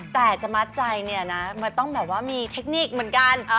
แต่จะมัดใจเนี่ยนะมันต้องแบบว่ามีเทคนิคเหมือนกัน